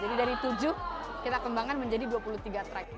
jadi dari tujuh kita kembangkan menjadi dua puluh tiga track